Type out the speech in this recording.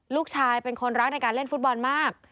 ลูกชายเป็นคนรักในการเล่นฟุตบอลมาก